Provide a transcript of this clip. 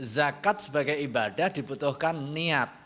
zakat sebagai ibadah dibutuhkan niat